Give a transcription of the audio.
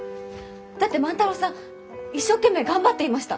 だって万太郎さん一生懸命頑張っていました！